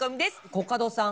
コカドさん。